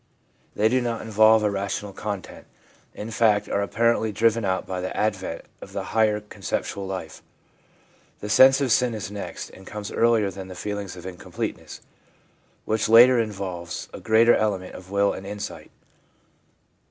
They do not involve a rational content — in fact, are apparently driven out by the advent of the higher con ceptual life. The sense of sin is next, and comes earlier than the feeling of incompleteness, which latter involves a greater element of will and of insight.